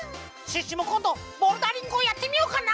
シュッシュもこんどボルダリングをやってみようかな？